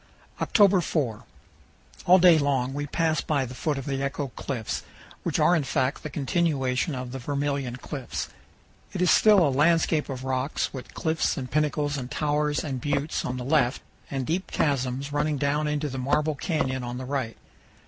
October 4 All day long we pass by the foot of the Echo Cliffs, which are in fact the continuation of the Vermilion Cliffs. It is still a landscape of rocks, with cliffs and pinnacles and towers and buttes on the left, and deep chasms running down into the Marble Canyon on the right.